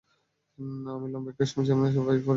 আমি লম্বা একটা সময় চেয়ারম্যানের ফাই-ফরমায়েশ খেটেছি।